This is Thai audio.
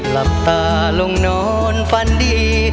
หลับตาลงนอนฟันดี